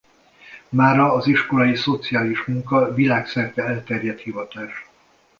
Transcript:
Mára az iskolai szociális munka világszerte elterjedt hivatás.